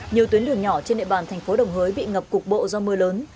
nhiều tuyến đường nhỏ trên địa bàn thành phố đồng hới bị ngập cục bộ do mưa lớn